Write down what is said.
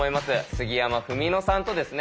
杉山文野さんとですね